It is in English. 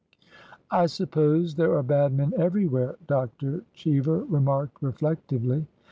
'' I suppose there are bad men everywhere,'' Dr. Cheever remarked reflectively.